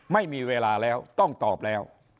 ไม่มีเวลาแล้วต้องตอบแล้ว